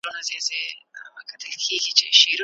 بيله شکه لمونځ د فحشاء او منکر څخه منع کوونکی دی